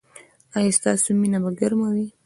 ایا ستاسو مینه به ګرمه وي؟